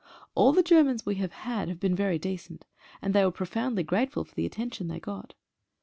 All the Germans we have had have been very decent, and they were profoundly grateful for the attention they got.